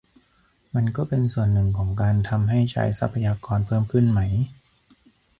มันก็เป็นส่วนหนึ่งของการทำให้ใช้ทรัพยากรเพิ่มขึ้นไหม